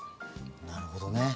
なるほどね。